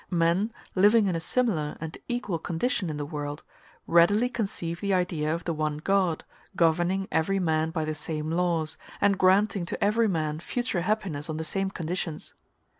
Men living in a similar and equal condition in the world readily conceive the idea of the one God, governing every man by the same laws, and granting to every man future happiness on the same conditions.